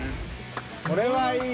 これはいい。